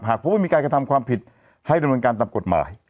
พบว่ามีการกระทำความผิดให้ดำเนินการตามกฎหมาย